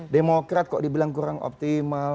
demokrat kok dibilang kurang optimal